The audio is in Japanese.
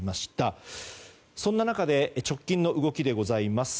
そんな中で直近の動きでございます。